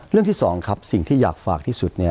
เรื่องที่สองครับสิ่งที่อยากฝากที่สุด